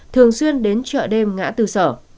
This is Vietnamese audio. thường xuyên đến chợ đêm ngã từ sở